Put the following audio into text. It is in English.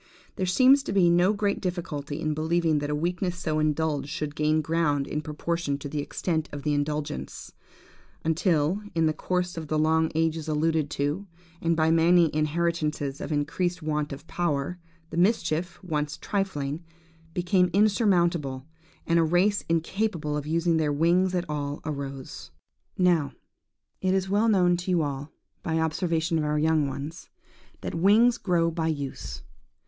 There seems to me to be no great difficulty in believing that a weakness so indulged should gain ground in proportion to the extent of the indulgence, until, in the course of the long ages alluded to, and by many inheritances of increased want of power, the mischief, once trifling, became insurmountable, and a race incapable of using their wings at all, arose. "Now, it is well known to you all, by observation of our young ones, that wings grow by use.